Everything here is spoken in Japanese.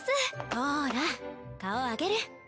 こら顔上げる。